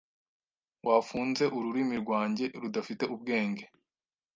Wafunze Ururimi rwanjye rudafite ubwenge